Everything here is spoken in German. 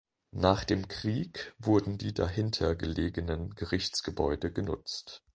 Nach dem Krieg wurden die dahinter gelegenen Gerichtsgebäude genutzt.